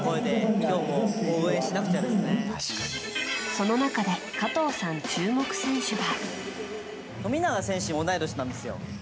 その中で加藤さん注目選手は。